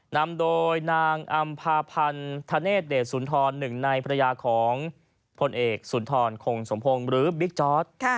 นำโดยนางอำภาพันธเนธเดชสุนทรหนึ่งในภรรยาของพลเอกสุนทรคงสมพงศ์หรือบิ๊กจอร์ด